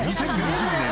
２０２０年